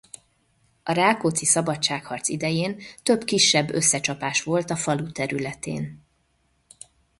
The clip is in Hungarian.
A Rákóczi-szabadságharc idején több kisebb összecsapás volt a falu területén.